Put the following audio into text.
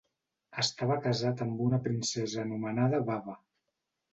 Estava casat amb una princesa anomenada Baba.